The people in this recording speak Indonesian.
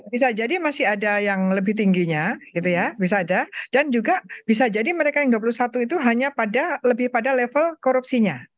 bisa jadi masih ada yang lebih tingginya gitu ya bisa ada dan juga bisa jadi mereka yang dua puluh satu itu hanya pada lebih pada level korupsinya